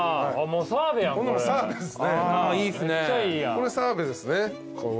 これ澤部ですね。